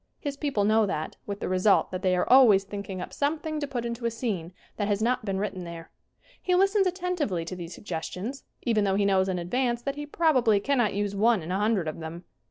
His people know that, with the result that they are always thinking up something to put into a scene that has not been written there. He listens attentively to these suggestions, even though he knows in advance that he probably cannot use one in a hundred of them.